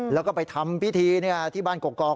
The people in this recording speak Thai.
เราไปทำพริธีที่บ้านกกอก